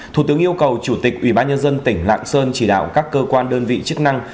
thủ tướng yêu cầu chủ tịch ubnd tỉnh lạng sơn chỉ đạo các cơ quan đơn vị chức năng